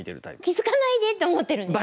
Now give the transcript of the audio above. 「気付かないで」って思ってるんですね。